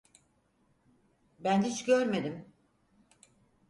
Ben hiç görmedim.